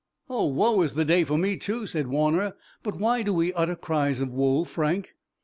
"O, woe is the day for me, too!" said Warner, "but why do we utter cries of woe, Frank?"